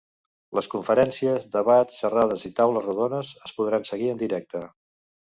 Les conferències, debats, xerrades i taules rodones es podran seguir en directe.